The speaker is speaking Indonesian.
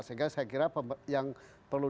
sehingga saya kira yang perlu